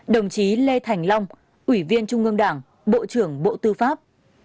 ba mươi một đồng chí lê thành long ủy viên trung ương đảng bộ trưởng bộ tư pháp